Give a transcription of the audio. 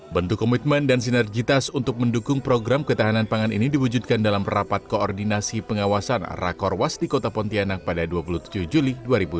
bentuk komitmen dan sinergitas untuk mendukung program ketahanan pangan ini diwujudkan dalam rapat koordinasi pengawasan rakor was di kota pontianak pada dua puluh tujuh juli dua ribu dua puluh